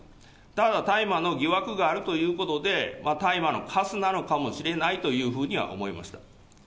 ただ大麻の疑惑があるということで、大麻のかすなのかもしれないというふうには思いました。